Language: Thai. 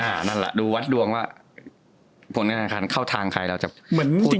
นั่นแหละดูวัดดวงว่าผลงานการคันเข้าทางใครเราจะเหมือนพูด